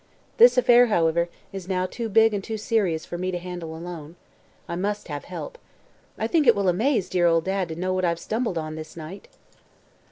This affair, however, is now too big and too serious for me to handle alone. I must have help. I think it will amaze dear old Dad to know what I've stumbled on this night!"